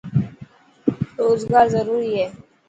روزگار ضروري هي.